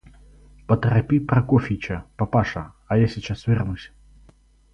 Поторопи Прокофьича, папаша, а я сейчас вернусь.